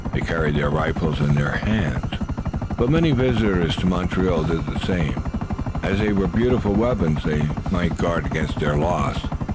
They carried their rifles in their hands, but many visitors to Montreal did the same, and as they were beautiful weapons they might well guard against their loss.